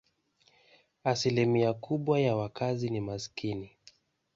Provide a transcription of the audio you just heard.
Asilimia kubwa ya wakazi ni maskini.